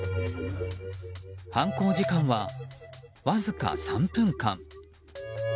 犯行時間は、わずか３分間。